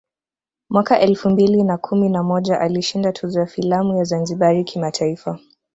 Mwaka elfu mbili na kumi na moja alishinda tuzo ya filamu ya ZanzibarI kimataifa